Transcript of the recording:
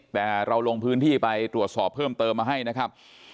แต่เราลงพื้นที่ไปตรวจสอบเพิ่มเติมมาให้นะครับ